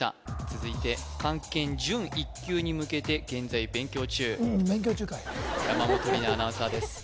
続いて漢検準１級に向けて現在勉強中勉強中かい山本里菜アナウンサーです